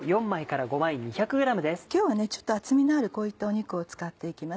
今日はちょっと厚みのあるこういった肉を使っていきます。